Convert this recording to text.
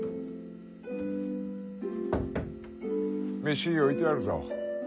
・飯置いてあるぞ。